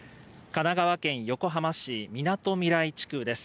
神奈川県横浜市みなとみらい地区です。